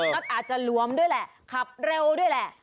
ก็อาจจะหลวมด้วยแหละขับเร็วด้วยแหละ